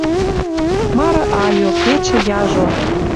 Мары айо, кечӹ яжо.